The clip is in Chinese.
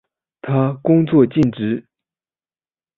他工作尽职。